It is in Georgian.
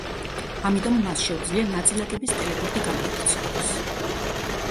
ამიტომ მას შეუძლია ნაწილაკების ტელეპორტი განახორციელოს.